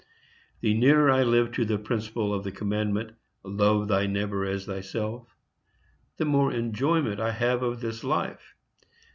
The nearer I live to the principle of the commandment, "Love thy neighbor as thyself," the more enjoyment I have of this life.